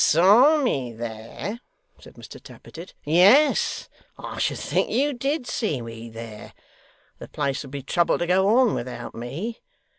'Saw me there!' said Mr Tappertit. 'Yes, I should think you did see me there. The place would be troubled to go on without me.